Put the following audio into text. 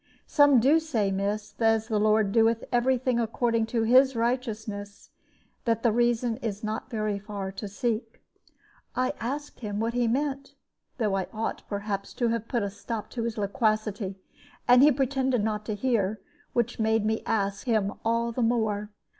Some do say, miss, as the Lord doeth every thing according to His righteousness, that the reason is not very far to seek." I asked him what he meant, though I ought, perhaps, to have put a stop to his loquacity; and he pretended not to hear, which made me ask him all the more.